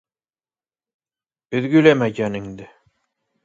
Өҙгөләмә йәнеңде.